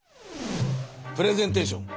プレゼンテーション。